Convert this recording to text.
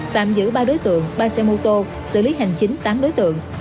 tạm giữ ba đối tượng ba xe mô tô xử lý hành chính tám đối tượng